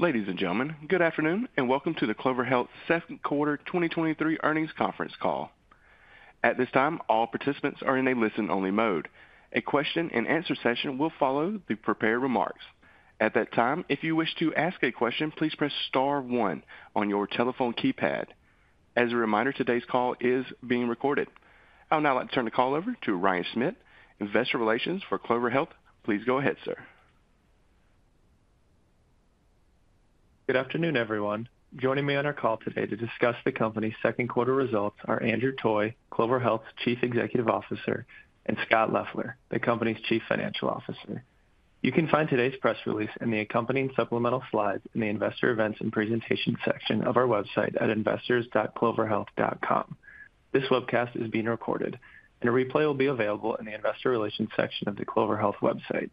Ladies and gentlemen, good afternoon, and welcome to the Clover Health second quarter 2023 earnings conference call. At this time, all participants are in a listen-only mode. A question-and-answer session will follow the prepared remarks. At that time, if you wish to ask a question, please press star one on your telephone keypad. As a reminder, today's call is being recorded. I would now like to turn the call over to Ryan Schmidt, Investor Relations for Clover Health. Please go ahead, sir. Good afternoon, everyone. Joining me on our call today to discuss the company's second quarter results are Andrew Toy, Clover Health's Chief Executive Officer, and Scott Leffler, the company's Chief Financial Officer. You can find today's press release in the accompanying supplemental slides in the Investor Events and Presentation section of our website at investors.cloverhealth.com. This webcast is being recorded, and a replay will be available in the Investor Relations section of the Clover Health website.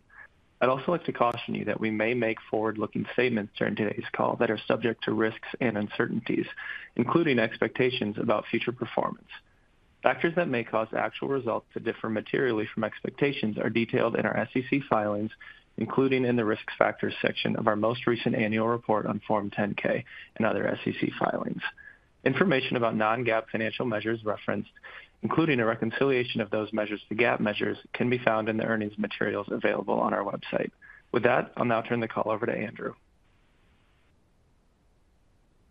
I'd also like to caution you that we may make forward-looking statements during today's call that are subject to risks and uncertainties, including expectations about future performance. Factors that may cause actual results to differ materially from expectations are detailed in our SEC filings, including in the Risk Factors section of our most recent annual report on Form 10-K and other SEC filings. Information about non-GAAP financial measures referenced, including a reconciliation of those measures to GAAP measures, can be found in the earnings materials available on our website. With that, I'll now turn the call over to Andrew.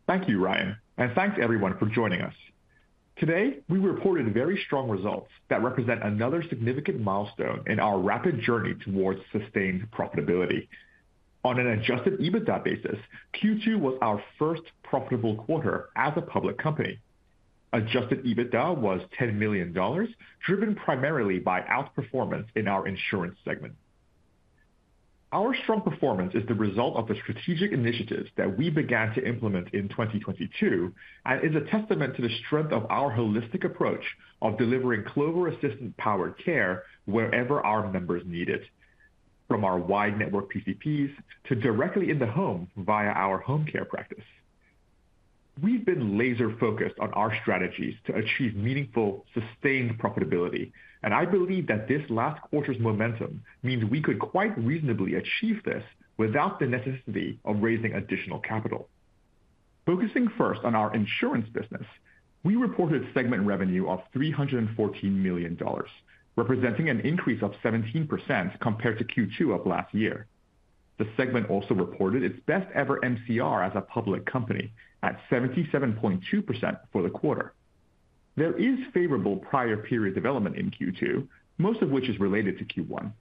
Thank you, Ryan. Thanks to everyone for joining us. Today, we reported very strong results that represent another significant milestone in our rapid journey towards sustained profitability. On an Adjusted EBITDA basis, Q2 was our first profitable quarter as a public company. Adjusted EBITDA was $10 million, driven primarily by outperformance in our insurance segment. Our strong performance is the result of the strategic initiatives that we began to implement in 2022, and is a testament to the strength of our holistic approach of delivering Clover Assistant-powered care wherever our members need it, from our wide network PCPs to directly in the home via our home care practice. We've been laser focused on our strategies to achieve meaningful, sustained profitability, and I believe that this last quarter's momentum means we could quite reasonably achieve this without the necessity of raising additional capital. Focusing first on our insurance business, we reported segment revenue of $314 million, representing an increase of 17% compared to Q2 of last year. The segment also reported its best ever MCR as a public company at 77.2% for the quarter. There is favorable prior period development in Q2, most of which is related to Q1.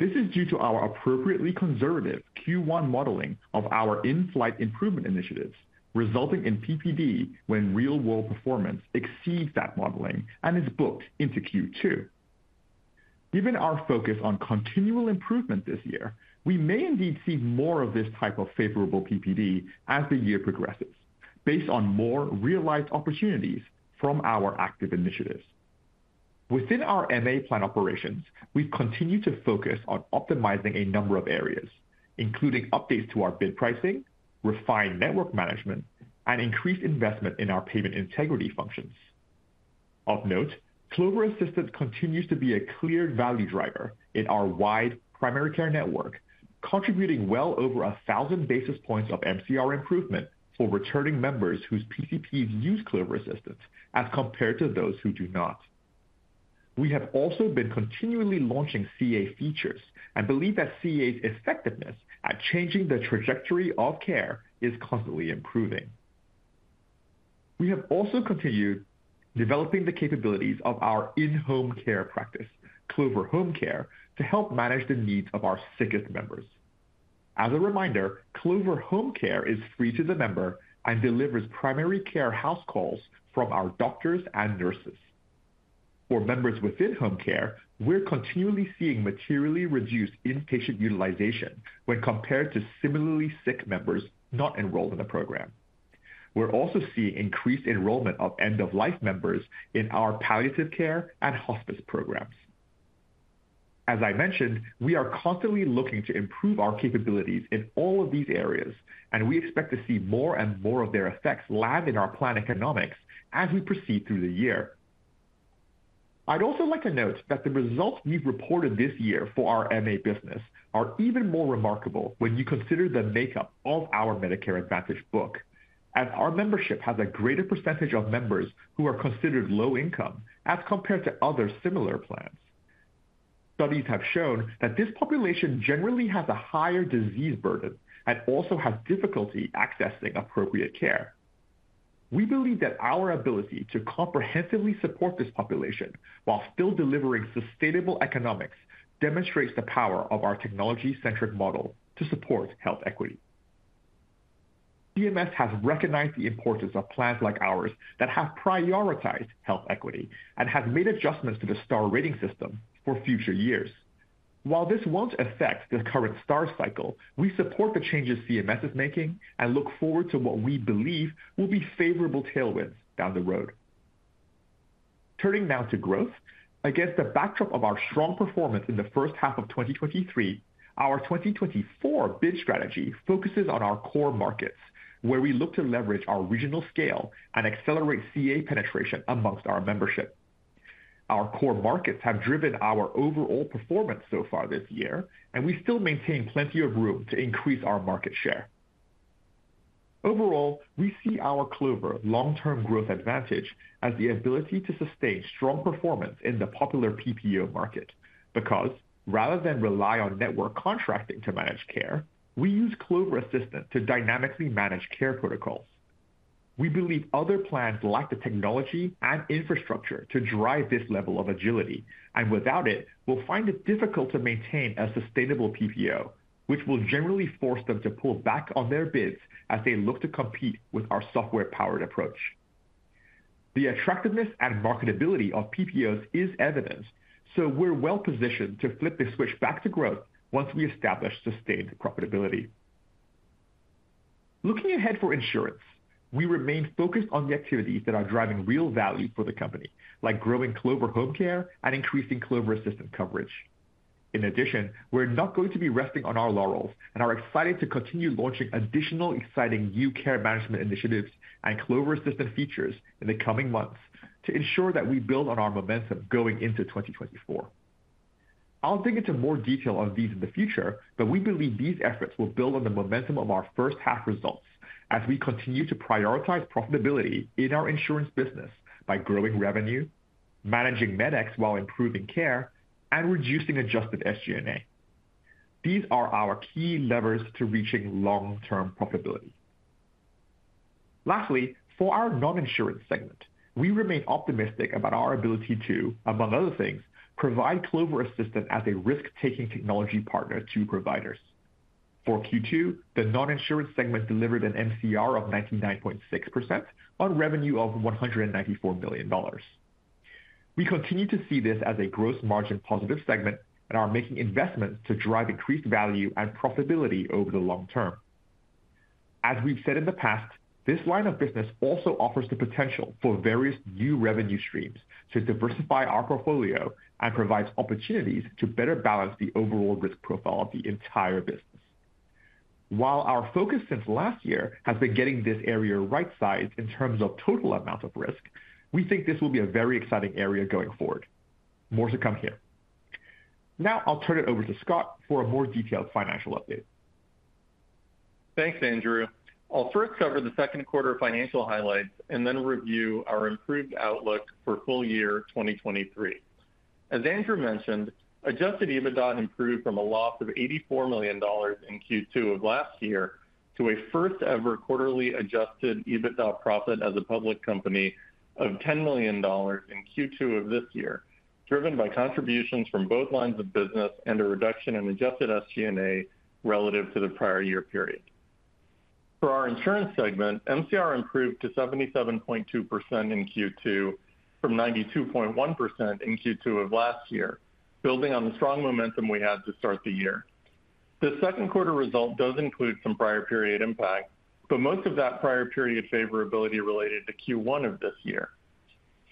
This is due to our appropriately conservative Q1 modeling of our in-flight improvement initiatives, resulting in PPD when real-world performance exceeds that modeling and is booked into Q2. Given our focus on continual improvement this year, we may indeed see more of this type of favorable PPD as the year progresses, based on more realized opportunities from our active initiatives. Within our MA plan operations, we've continued to focus on optimizing a number of areas, including updates to our bid pricing, refined network management, and increased investment in our payment integrity functions. Of note, Clover Assistant continues to be a clear value driver in our wide primary care network, contributing well over 1,000 basis points of MCR improvement for returning members whose PCPs use Clover Assistant as compared to those who do not. We have also been continually launching CA features and believe that CA's effectiveness at changing the trajectory of care is constantly improving. We have also continued developing the capabilities of our in-home care practice, Clover Home Care, to help manage the needs of our sickest members. As a reminder, Clover Home Care is free to the member and delivers primary care house calls from our doctors and nurses. For members within Home Care, we're continually seeing materially reduced inpatient utilization when compared to similarly sick members not enrolled in the program. We're also seeing increased enrollment of end-of-life members in our palliative care and hospice programs. As I mentioned, we are constantly looking to improve our capabilities in all of these areas, and we expect to see more and more of their effects land in our plan economics as we proceed through the year. I'd also like to note that the results we've reported this year for our MA business are even more remarkable when you consider the makeup of our Medicare Advantage book, as our membership has a greater percentage of members who are considered low income as compared to other similar plans. Studies have shown that this population generally has a higher disease burden and also has difficulty accessing appropriate care. We believe that our ability to comprehensively support this population while still delivering sustainable economics demonstrates the power of our technology-centric model to support health equity. CMS has recognized the importance of plans like ours that have prioritized health equity and have made adjustments to the Star Rating system for future years. While this won't affect the current star cycle, we support the changes CMS is making and look forward to what we believe will be favorable tailwinds down the road. Turning now to growth. Against the backdrop of our strong performance in the first half of 2023, our 2024 bid strategy focuses on our core markets, where we look to leverage our regional scale and accelerate CA penetration amongst our membership. Our core markets have driven our overall performance so far this year, and we still maintain plenty of room to increase our market share. Overall, we see our Clover long-term growth advantage as the ability to sustain strong performance in the popular PPO market, because rather than rely on network contracting to manage care, we use Clover Assistant to dynamically manage care protocols. We believe other plans lack the technology and infrastructure to drive this level of agility, and without it, will find it difficult to maintain a sustainable PPO, which will generally force them to pull back on their bids as they look to compete with our software-powered approach. The attractiveness and marketability of PPOs is evident, so we're well positioned to flip the switch back to growth once we establish sustained profitability. Looking ahead for insurance, we remain focused on the activities that are driving real value for the company, like growing Clover Home Care and increasing Clover Assistant coverage. In addition, we're not going to be resting on our laurels and are excited to continue launching additional exciting new care management initiatives and Clover Assistant features in the coming months to ensure that we build on our momentum going into 2024. I'll dig into more detail on these in the future, but we believe these efforts will build on the momentum of our first half results as we continue to prioritize profitability in our insurance business by growing revenue, managing medex while improving care, and reducing Adjusted SG&A. These are our key levers to reaching long-term profitability. Lastly, for our non-insurance segment, we remain optimistic about our ability to, among other things, provide Clover Assistant as a risk-taking technology partner to providers. For Q2, the non-insurance segment delivered an MCR of 99.6% on revenue of $194 million. We continue to see this as a gross margin positive segment and are making investments to drive increased value and profitability over the long term. As we've said in the past, this line of business also offers the potential for various new revenue streams to diversify our portfolio and provides opportunities to better balance the overall risk profile of the entire business. While our focus since last year has been getting this area right-sized in terms of total amount of risk, we think this will be a very exciting area going forward. More to come here. Now I'll turn it over to Scott for a more detailed financial update. Thanks, Andrew. I'll first cover the second quarter financial highlights and then review our improved outlook for full year 2023. As Andrew mentioned, Adjusted EBITDA improved from a loss of $84 million in Q2 of last year to a first-ever quarterly Adjusted EBITDA profit as a public company of $10 million in Q2 of this year, driven by contributions from both lines of business and a reduction in Adjusted SG&A relative to the prior year period. For our insurance segment, MCR improved to 77.2% in Q2 from 92.1% in Q2 of last year, building on the strong momentum we had to start the year. The second quarter result does include some prior period impact, but most of that prior period favorability related to Q1 of this year.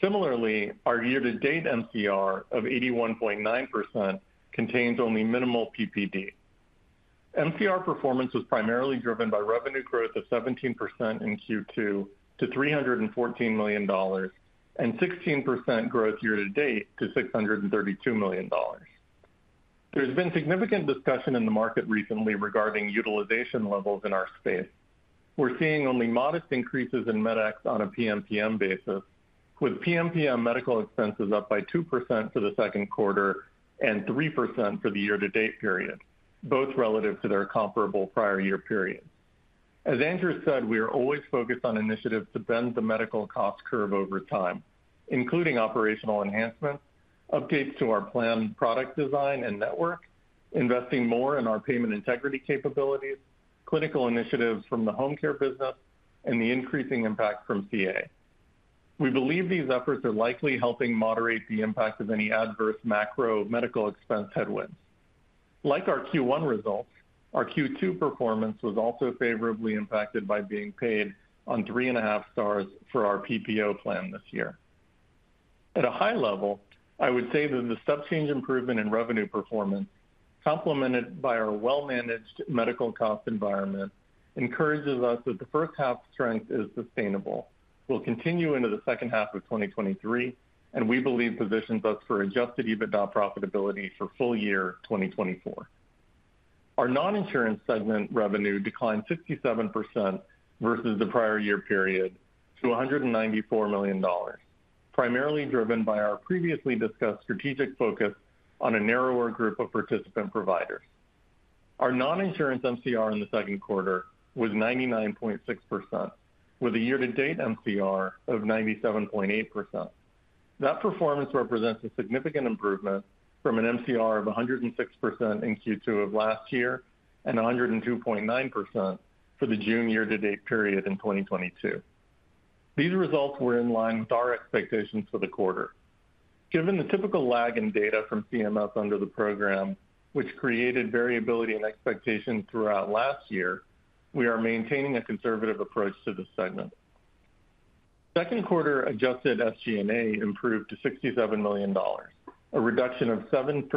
Similarly, our year-to-date MCR of 81.9% contains only minimal PPD. MCR performance was primarily driven by revenue growth of 17% in Q2 to $314 million, and 16% growth year-to-date to $632 million. There's been significant discussion in the market recently regarding utilization levels in our space. We're seeing only modest increases in MedEx on a PMPM basis, with PMPM medical expenses up by 2% for the second quarter and 3% for the year-to-date period, both relative to their comparable prior year period. As Andrew said, we are always focused on initiatives to bend the medical cost curve over time, including operational enhancements, updates to our plan, product design, and network, investing more in our payment integrity capabilities, clinical initiatives from the home care business, and the increasing impact from CA. We believe these efforts are likely helping moderate the impact of any adverse macro medical expense headwinds. Like our Q1 results, our Q2 performance was also favorably impacted by being paid on three and a half stars for our PPO plan this year. At a high level, I would say that the step change improvement in revenue performance, complemented by our well-managed medical cost environment, encourages us that the first half strength is sustainable, will continue into the second half of 2023, and we believe positions us for Adjusted EBITDA profitability for full year 2024. Our non-insurance segment revenue declined 67% versus the prior year period to $194 million, primarily driven by our previously discussed strategic focus on a narrower group of participant providers. Our non-insurance MCR in the second quarter was 99.6%, with a year-to-date MCR of 97.8%. That performance represents a significant improvement from an MCR of 106% in Q2 of last year and 102.9% for the June year-to-date period in 2022. These results were in line with our expectations for the quarter. Given the typical lag in data from CMS under the program, which created variability and expectation throughout last year, we are maintaining a conservative approach to this segment. Second quarter adjusted SG&A improved to $67 million, a reduction of 7%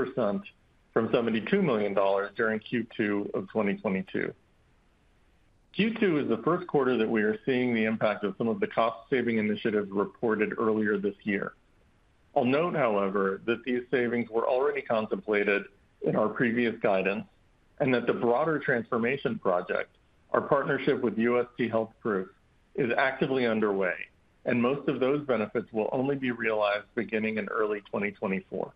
from $72 million during Q2 of 2022. Q2 is the first quarter that we are seeing the impact of some of the cost-saving initiatives reported earlier this year. I'll note, however, that these savings were already contemplated in our previous guidance. The broader transformation project, our partnership with UST HealthProof, is actively underway, and most of those benefits will only be realized beginning in early 2024.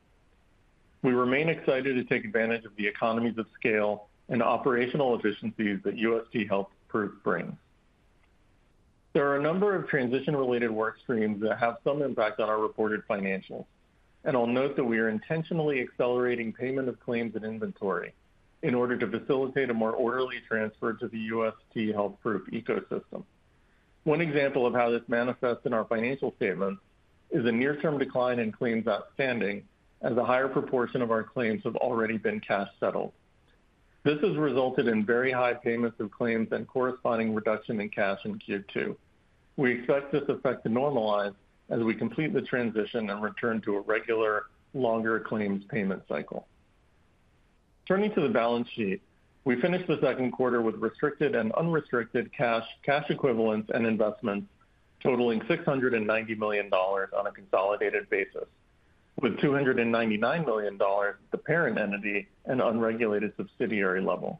We remain excited to take advantage of the economies of scale and operational efficiencies that UST HealthProof brings. There are a number of transition-related work streams that have some impact on our reported financials. I'll note that we are intentionally accelerating payment of claims and inventory in order to facilitate a more orderly transfer to the UST HealthProof ecosystem. One example of how this manifests in our financial statements is a near-term decline in claims outstanding, as a higher proportion of our claims have already been cash settled. This has resulted in very high payments of claims and corresponding reduction in cash in Q2. We expect this effect to normalize as we complete the transition and return to a regular, longer claims payment cycle. Turning to the balance sheet, we finished the second quarter with restricted and unrestricted cash, cash equivalents, and investments totaling $690 million on a consolidated basis, with $299 million at the parent entity and unregulated subsidiary level.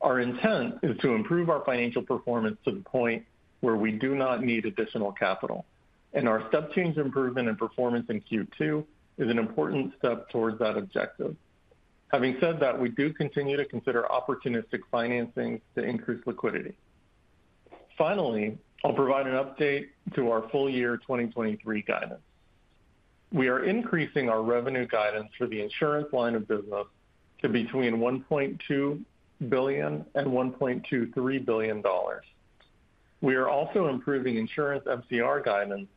Our intent is to improve our financial performance to the point where we do not need additional capital, and our step change improvement in performance in Q2 is an important step towards that objective. Having said that, we do continue to consider opportunistic financing to increase liquidity. Finally, I'll provide an update to our full year 2023 guidance. We are increasing our revenue guidance for the insurance line of business to between $1.2 billion and $1.23 billion. We are also improving insurance MCR guidance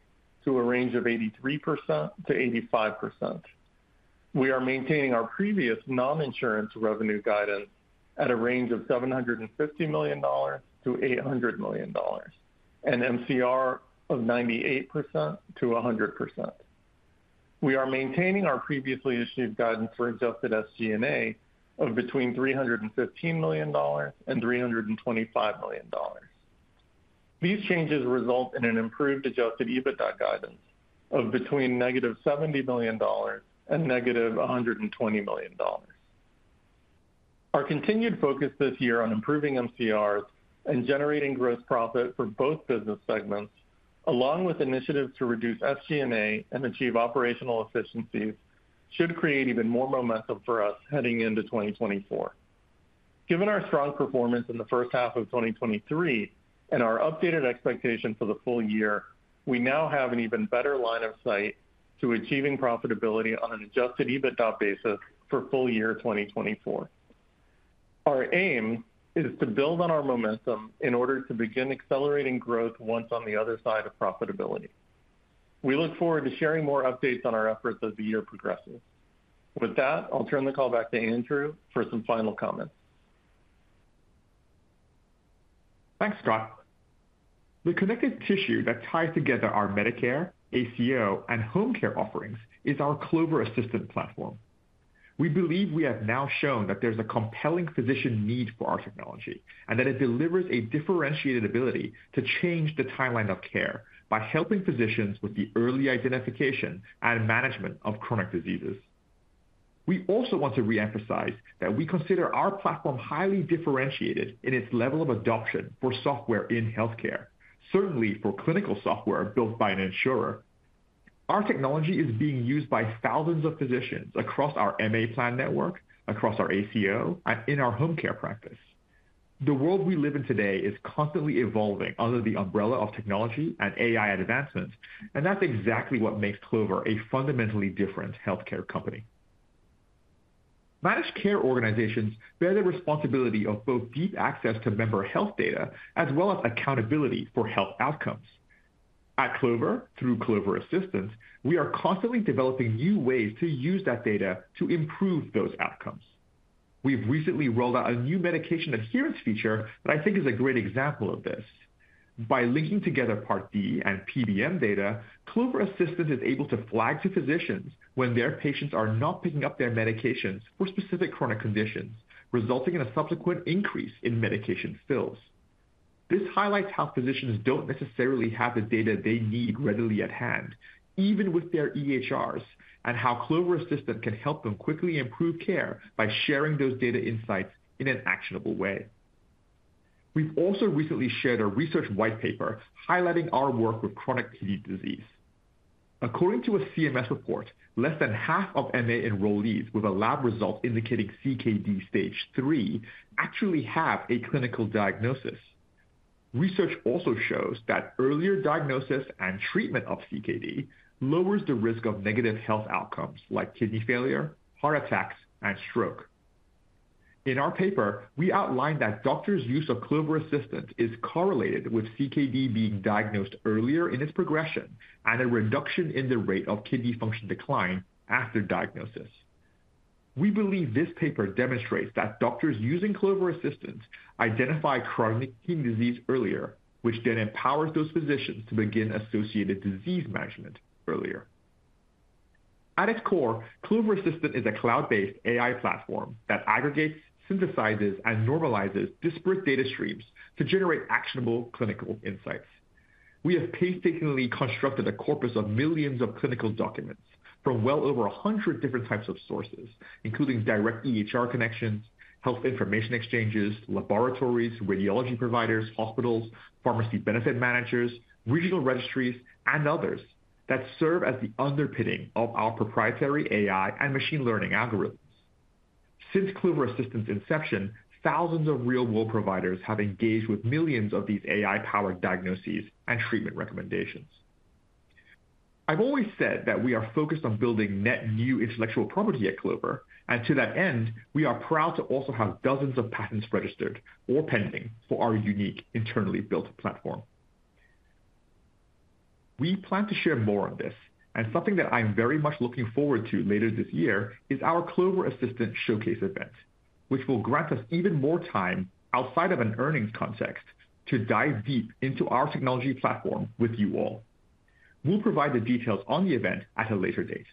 to a range of 83%-85%. We are maintaining our previous non-insurance revenue guidance at a range of $750 million-$800 million, and MCR of 98%-100%. We are maintaining our previously issued guidance for Adjusted SG&A of between $315 million and $325 million. These changes result in an improved Adjusted EBITDA guidance of between -$70 million and -$120 million. Our continued focus this year on improving MCRs and generating gross profit for both business segments, along with initiatives to reduce SG&A and achieve operational efficiencies, should create even more momentum for us heading into 2024. Given our strong performance in the first half of 2023 and our updated expectation for the full year, we now have an even better line of sight to achieving profitability on an Adjusted EBITDA basis for full year 2024. Our aim is to build on our momentum in order to begin accelerating growth once on the other side of profitability. We look forward to sharing more updates on our efforts as the year progresses. With that, I'll turn the call back to Andrew for some final comments. Thanks, Scott. The connective tissue that ties together our Medicare, ACO, and home care offerings is our Clover Assistant platform. We believe we have now shown that there's a compelling physician need for our technology, and that it delivers a differentiated ability to change the timeline of care by helping physicians with the early identification and management of chronic diseases. We also want to reemphasize that we consider our platform highly differentiated in its level of adoption for software in healthcare, certainly for clinical software built by an insurer. Our technology is being used by thousands of physicians across our MA plan network, across our ACO, and in our home care practice. The world we live in today is constantly evolving under the umbrella of technology and AI advancements, and that's exactly what makes Clover a fundamentally different healthcare company. Managed care organizations bear the responsibility of both deep access to member health data as well as accountability for health outcomes. At Clover, through Clover Assistant, we are constantly developing new ways to use that data to improve those outcomes. We've recently rolled out a new medication adherence feature that I think is a great example of this. By linking together Part D and PBM data, Clover Assistant is able to flag to physicians when their patients are not picking up their medications for specific chronic conditions, resulting in a subsequent increase in medication fills. This highlights how physicians don't necessarily have the data they need readily at hand, even with their EHRs, and how Clover Assistant can help them quickly improve care by sharing those data insights in an actionable way. We've also recently shared a research white paper highlighting our work with chronic kidney disease. According to a CMS report, less than half of MA enrollees with a lab result indicating CKD stage 3 actually have a clinical diagnosis. Research also shows that earlier diagnosis and treatment of CKD lowers the risk of negative health outcomes like kidney failure, heart attacks, and stroke. In our paper, we outlined that doctors' use of Clover Assistant is correlated with CKD being diagnosed earlier in its progression and a reduction in the rate of kidney function decline after diagnosis. We believe this paper demonstrates that doctors using Clover Assistant identify chronic kidney disease earlier, which then empowers those physicians to begin associated disease management earlier. At its core, Clover Assistant is a cloud-based AI platform that aggregates, synthesizes, and normalizes disparate data streams to generate actionable clinical insights. We have painstakingly constructed a corpus of millions of clinical documents from well over 100 different types of sources, including direct EHR connections, health information exchanges, laboratories, radiology providers, hospitals, pharmacy benefit managers, regional registries, and others that serve as the underpinning of our proprietary AI and machine learning algorithms. Since Clover Assistant's inception, thousands of real-world providers have engaged with millions of these AI-powered diagnoses and treatment recommendations. I've always said that we are focused on building net new intellectual property at Clover, and to that end, we are proud to also have dozens of patents registered or pending for our unique internally built platform. We plan to share more on this, and something that I'm very much looking forward to later this year is our Clover Assistant Showcase event, which will grant us even more time outside of an earnings context to dive deep into our technology platform with you all. We'll provide the details on the event at a later date.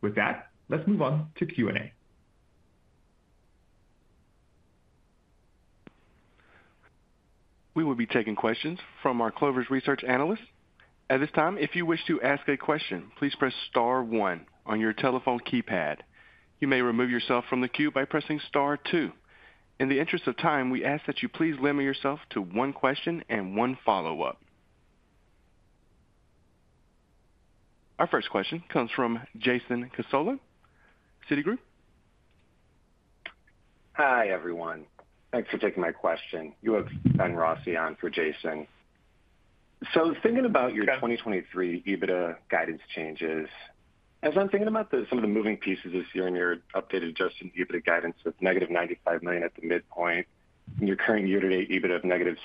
With that, let's move on to Q&A. We will be taking questions from our Clover's research analysts. At this time, if you wish to ask a question, please press star one on your telephone keypad. You may remove yourself from the queue by pressing star two. In the interest of time, we ask that you please limit yourself to one question and one follow-up. Our first question comes from Jason Cassorla, Citigroup. Hi, everyone. Thanks for taking my question. You have Benjamin Rossi on for Jason. Thinking about your 2023 EBITDA guidance changes, as I'm thinking about the, some of the moving pieces this year in your updated Adjusted EBITDA guidance with negative $95 million at the midpoint, and your current year-to-date EBITDA of negative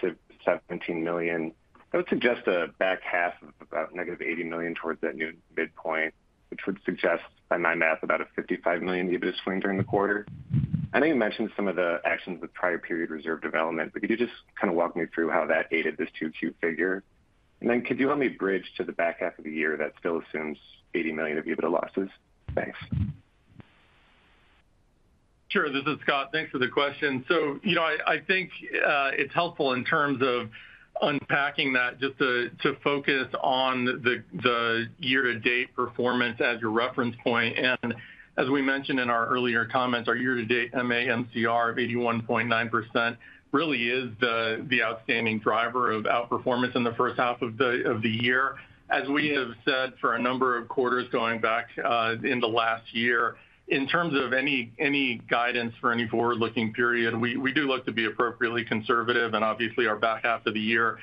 $17 million, that would suggest a back half of about negative $80 million towards that new midpoint, which would suggest, by my math, about a $55 million EBITDA swing during the quarter. I know you mentioned some of the actions with prior period development, could you just kind of walk me through how that aided this 2Q figure? Could you help me bridge to the back half of the year that still assumes $80 million of EBITDA losses? Thanks. Sure. This is Scott. Thanks for the question. You know, I, I think it's helpful in terms of unpacking that just to, to focus on the, the year-to-date performance as your reference point. As we mentioned in our earlier comments, our year-to-date MA MCR of 81.9% really is the, the outstanding driver of outperformance in the first half of the, of the year. As we have said for a number of quarters going back in the last year, in terms of any, any guidance for any forward-looking period, we, we do look to be appropriately conservative, and obviously, our back half of the year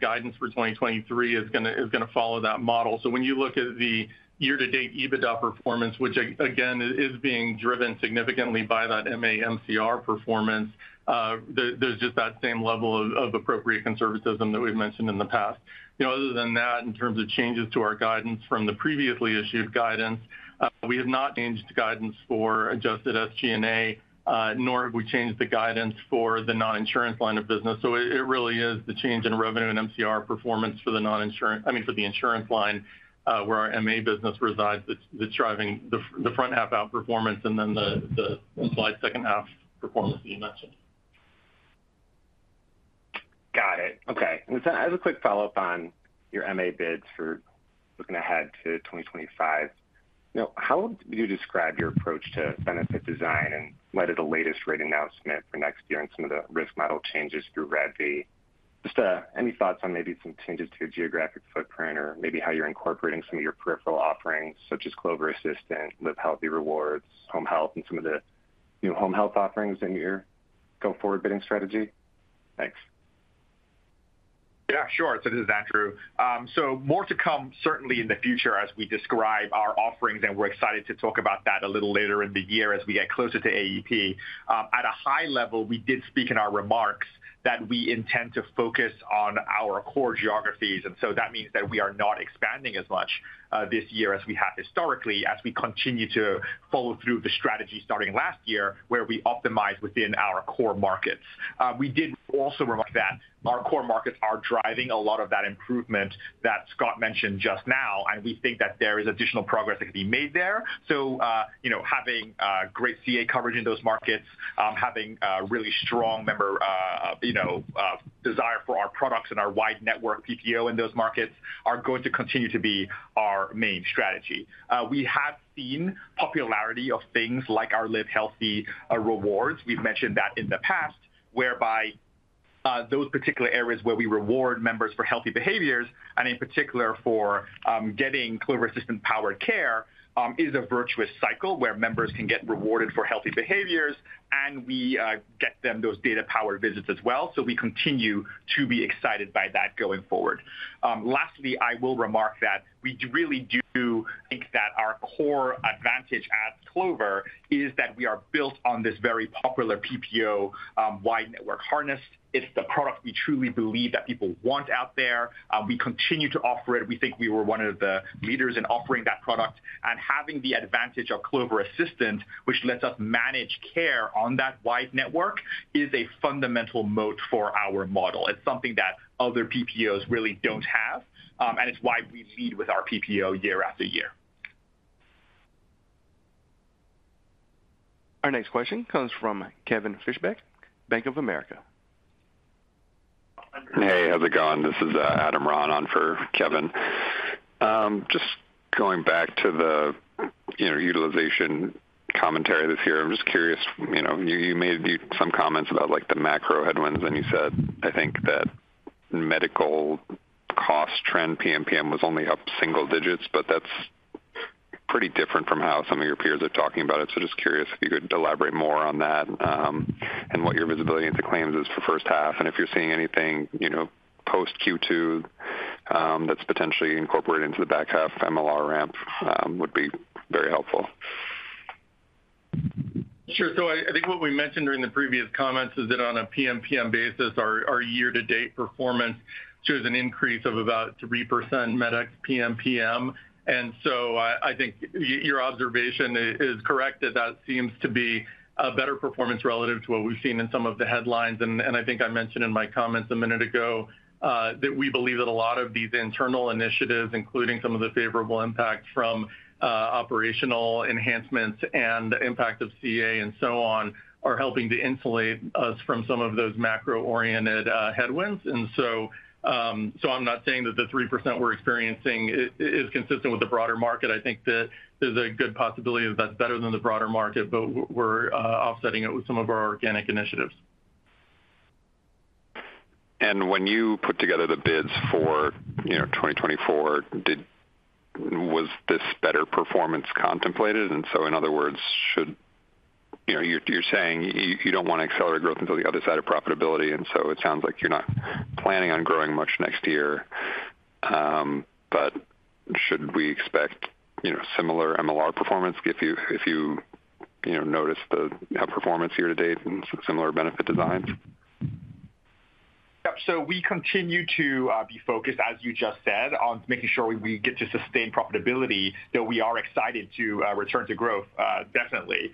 guidance for 2023 is gonna, is gonna follow that model. When you look at the year-to-date EBITDA performance, which again, is being driven significantly by that MA MCR performance, there's just that same level of appropriate conservatism that we've mentioned in the past. You know, other than that, in terms of changes to our guidance from the previously issued guidance, we have not changed guidance for Adjusted SG&A, nor have we changed the guidance for the non-insurance line of business. It, it really is the change in revenue and MCR performance, I mean, for the insurance line, where our MA business resides, that's, that's driving the, the front half outperformance and then the, the slight second half performance that you mentioned. Got it. Okay. As a, as a quick follow-up on your MA bids for looking ahead to 2025, you know, how would you describe your approach to benefit design in light of the latest rate announcement for next year and some of the risk model changes through RADV? Just any thoughts on maybe some changes to your geographic footprint or maybe how you're incorporating some of your peripheral offerings, such as Clover Assistant, LiveHealthy Rewards, Home Health, and some of the new home health offerings in your go-forward bidding strategy? Thanks. Yeah, sure. This is Andrew Toy. More to come certainly in the future as we describe our offerings, and we're excited to talk about that a little later in the year as we get closer to AEP. At a high level, we did speak in our remarks that we intend to focus on our core geographies, that means that we are not expanding as much this year as we have historically, as we continue to follow through the strategy starting last year, where we optimized within our core markets. We did also remark that our core markets are driving a lot of that improvement that Scott Leffler mentioned just now, and we think that there is additional progress that can be made there. you know, having great CA coverage in those markets, having a really strong member, you know, desire for our products and our wide network PPO in those markets, are going to continue to be our main strategy. We have seen popularity of things like our LiveHealthy Rewards. We've mentioned that in the past, whereby those particular areas where we reward members for healthy behaviors, and in particular for getting Clover Assistant-powered care, is a virtuous cycle where members can get rewarded for healthy behaviors, and we get them those data-powered visits as well. We continue to be excited by that going forward. Lastly, I will remark that we really do think that our core advantage at Clover is that we are built on this very popular PPO, wide network harness. It's the product we truly believe that people want out there. We continue to offer it. We think we were one of the leaders in offering that product. Having the advantage of Clover Assistant, which lets us manage care on that wide network, is a fundamental moat for our model. It's something that other PPOs really don't have, and it's why we lead with our PPO year after year. Our next question comes from Kevin Fischbeck, Bank of America. Hey, how's it going? This is Adam Ron on for Kevin. Just going back to the, you know, utilization commentary this year, I'm just curious, you know, you, you made some comments about, like, the macro headwinds, and you said, I think that medical cost trend PMPM was only up single digits, but that's pretty different from how some of your peers are talking about it. Just curious if you could elaborate more on that, and what your visibility into claims is for first half, and if you're seeing anything, you know, post Q2, that's potentially incorporated into the back half MLR ramp, would be very helpful. Sure. I, I think what we mentioned during the previous comments is that on a PMPM basis, our, our year-to-date performance shows an increase of about 3% MedEx PMPM. I, I think your observation is correct, that that seems to be a better performance relative to what we've seen in some of the headlines. I think I mentioned in my comments a minute ago, that we believe that a lot of these internal initiatives, including some of the favorable impacts from operational enhancements and the impact of CA and so on, are helping to insulate us from some of those macro-oriented headwinds. I'm not saying that the 3% we're experiencing is consistent with the broader market. I think that there's a good possibility that that's better than the broader market, but we're offsetting it with some of our organic initiatives. When you put together the bids for, you know, 2024, was this better performance contemplated? In other words, you know, you're, you're saying you, you don't want to accelerate growth until the other side of profitability, and so it sounds like you're not planning on growing much next year. Should we expect, you know, similar MLR performance if you, if you, you know, notice the performance year to date and similar benefit designs? Yep. We continue to be focused, as you just said, on making sure we get to sustain profitability, though we are excited to return to growth, definitely.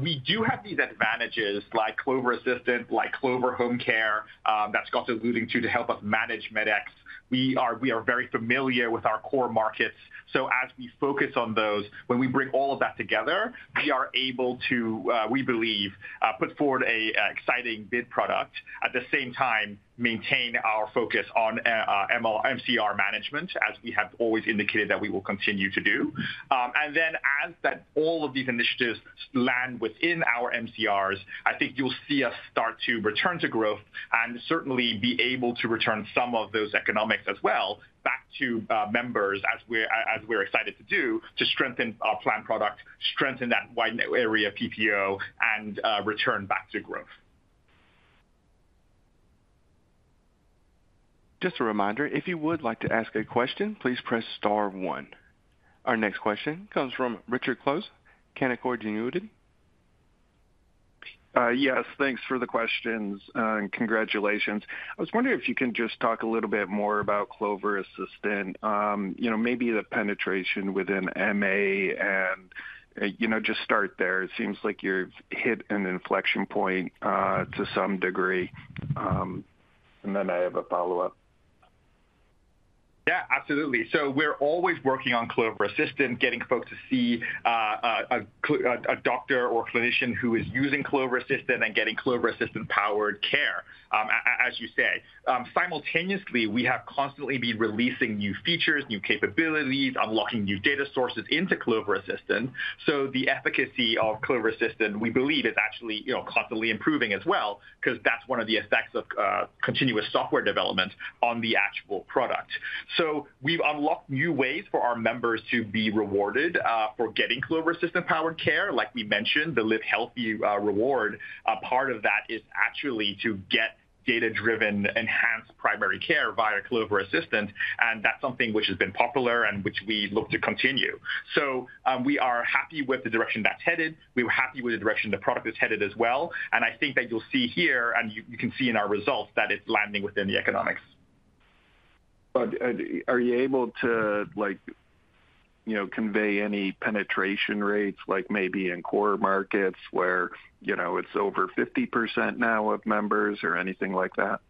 We do have these advantages like Clover Assistant, like Clover Home Care, that Scott's alluding to, to help us manage MedEx. We are, we are very familiar with our core markets. As we focus on those, when we bring all of that together, we are able to, we believe, put forward a exciting bid product, at the same time, maintain our focus on MCR management, as we have always indicated that we will continue to do. Then as that, all of these initiatives land within our MCRs, I think you'll see us start to return to growth and certainly be able to return some of those economics as well back to members, as we're, as we're excited to do, to strengthen our plan product, strengthen that wide net area PPO, and return back to growth. Just a reminder, if you would like to ask a question, please press star one. Our next question comes from Richard Close, Canaccord Genuity. Yes, thanks for the questions, and congratulations. I was wondering if you can just talk a little bit more about Clover Assistant, you know, maybe the penetration within M&A and, you know, just start there. It seems like you've hit an inflection point to some degree, and then I have a follow-up. Yeah, absolutely. We're always working on Clover Assistant, getting folks to see a doctor or clinician who is using Clover Assistant and getting Clover Assistant-powered care, as you say. Simultaneously, we have constantly been releasing new features, new capabilities, unlocking new data sources into Clover Assistant. The efficacy of Clover Assistant, we believe, is actually, you know, constantly improving as well, because that's one of the effects of continuous software development on the actual product. We've unlocked new ways for our members to be rewarded for getting Clover Assistant-powered care. Like we mentioned, the Live Healthy reward, a part of that is actually to get data-driven, enhanced primary care via Clover Assistant, and that's something which has been popular and which we look to continue. We are happy with the direction that's headed. We're happy with the direction the product is headed as well. I think that you'll see here, and you can see in our results, that it's landing within the economics. Are you able to, like, you know, convey any penetration rates, like maybe in core markets where, you know, it's over 50% now of members or anything like that?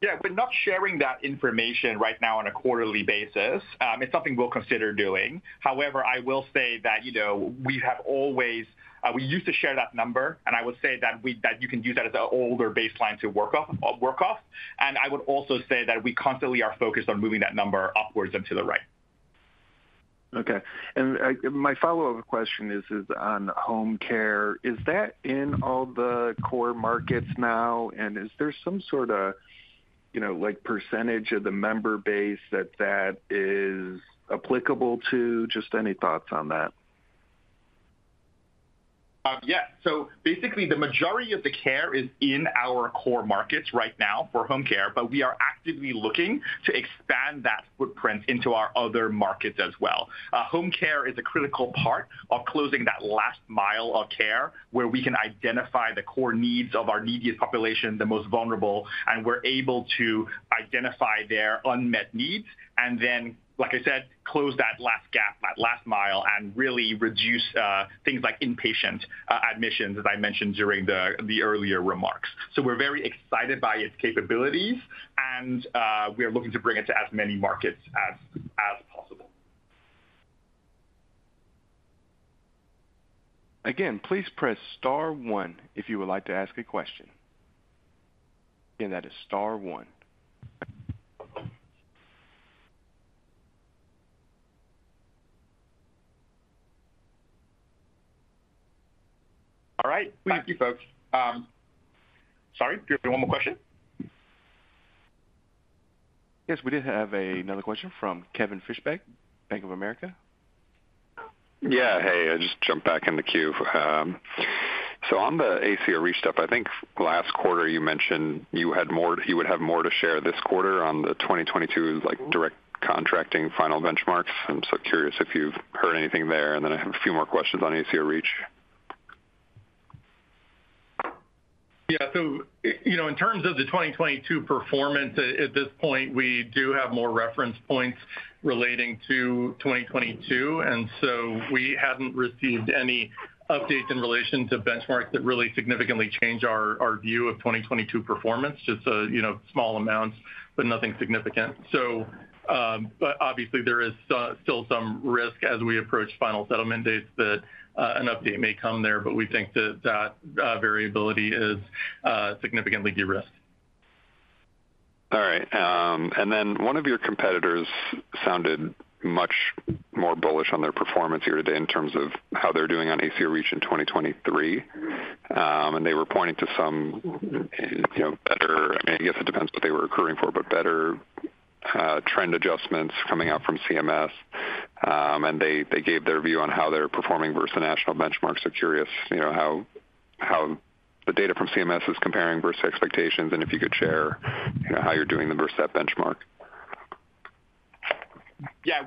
Yeah, we're not sharing that information right now on a quarterly basis. It's something we'll consider doing. However, I will say that, you know, we have always, we used to share that number, and I would say that you can use that as an older baseline to work off, work off. I would also say that we constantly are focused on moving that number upwards and to the right. Okay. My follow-up question is, is on home care. Is that in all the core markets now? Is there some sort of, you know, like, percentage of the member base that that is applicable to? Just any thoughts on that. Yeah. Basically, the majority of the care is in our core markets right now for home care, but we are actively looking to expand that footprint into our other markets as well. Home care is a critical part of closing that last mile of care, where we can identify the core needs of our neediest population, the most vulnerable, and we're able to identify their unmet needs, and then, like I said, close that last gap, that last mile, and really reduce things like inpatient admissions, as I mentioned during the earlier remarks. We're very excited by its capabilities, and we are looking to bring it to as many markets as we can possible. Again, please press star one if you would like to ask a question. Again, that is star one. All right, thank you, folks. Sorry, do you have one more question? Yes, we did have another question from Kevin Fischbeck, Bank of America. Yeah. Hey, I just jumped back in the queue. On the ACO REACH step, I think last quarter you mentioned you had more you would have more to share this quarter on the 2022 Direct Contracting final benchmarks. I'm so curious if you've heard anything there, and then I have a few more questions on ACO REACH. Yeah, so, you know, in terms of the 2022 performance, at this point, we do have more reference points relating to 2022, and so we haven't received any updates in relation to benchmarks that really significantly change our view of 2022 performance. Just, you know, small amounts, but nothing significant. Obviously there is still some risk as we approach final settlement dates that an update may come there, but we think that variability is significantly de-risked. All right, one of your competitors sounded much more bullish on their performance here today in terms of how they're doing on ACO REACH in 2023. They were pointing to some, you know, better, I mean, I guess it depends what they were accruing for, but better trend adjustments coming out from CMS. They, they gave their view on how they're performing versus the national benchmarks. Curious, you know, how, how the data from CMS is comparing versus expectations, and if you could share, you know, how you're doing them versus that benchmark? Yeah,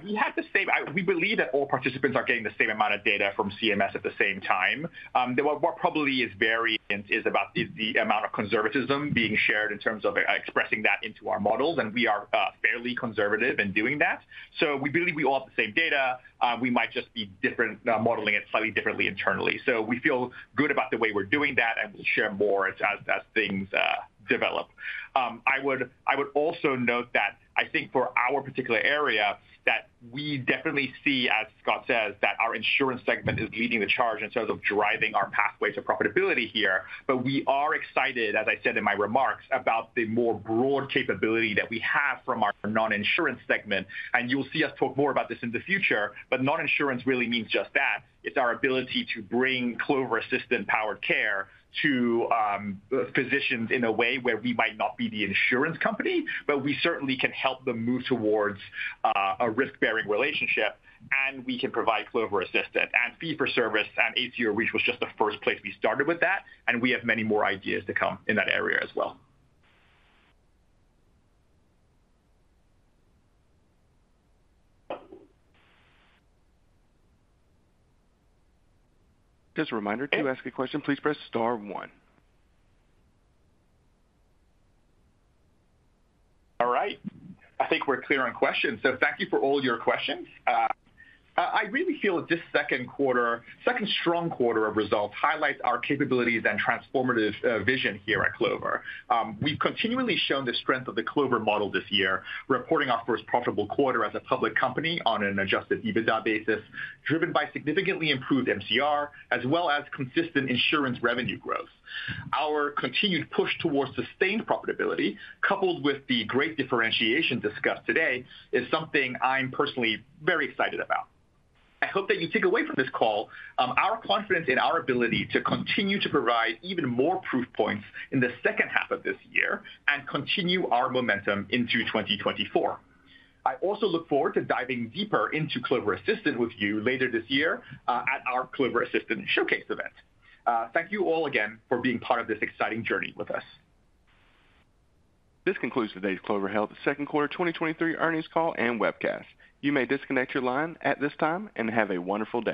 we believe that all participants are getting the same amount of data from CMS at the same time. The what, what probably is varying is about the amount of conservatism being shared in terms of expressing that into our models, and we are fairly conservative in doing that. So we believe we all have the same data. We might just be different, modeling it slightly differently internally. So we feel good about the way we're doing that, and we'll share more as, as, as things develop. I would, I would also note that I think for our particular area, that we definitely see, as Scott says, that our insurance segment is leading the charge in terms of driving our pathway to profitability here. We are excited, as I said in my remarks, about the more broad capability that we have from our non-insurance segment, and you'll see us talk more about this in the future. Non-insurance really means just that. It's our ability to bring Clover Assistant-powered care to physicians in a way where we might not be the insurance company, but we certainly can help them move towards a risk-bearing relationship, and we can provide Clover Assistant and fee-for-service, and ACO REACH was just the first place we started with that, and we have many more ideas to come in that area as well. Just a reminder, to ask a question, please press star one. All right. I think we're clear on questions, so thank you for all your questions. I, I really feel that this second quarter, second strong quarter of results highlights our capabilities and transformative vision here at Clover. We've continually shown the strength of the Clover model this year, reporting our first profitable quarter as a public company on an Adjusted EBITDA basis, driven by significantly improved MCR as well as consistent insurance revenue growth. Our continued push towards sustained profitability, coupled with the great differentiation discussed today, is something I'm personally very excited about. I hope that you take away from this call, our confidence in our ability to continue to provide even more proof points in the second half of this year and continue our momentum into 2024. I also look forward to diving deeper into Clover Assistant with you later this year at our Clover Assistant Showcase event. Thank you all again for being part of this exciting journey with us. This concludes today's Clover Health second quarter 2023 earnings call and webcast. You may disconnect your line at this time, and have a wonderful day.